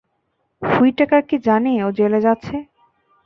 Whitaker কী জানে ও জেলে যাচ্ছে?